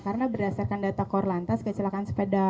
karena berdasarkan data kor lantas kecelakaan sepeda